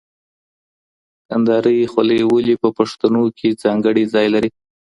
کندهاري خولۍ ولي په پښتنو کي ځانګړی ځای لري؟